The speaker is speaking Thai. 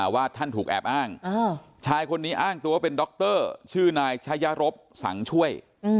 ว่าท่านถูกแอบอ้างชายคนนี้อ้างตัวเป็นดรชื่อนายชะยรบสังช่วย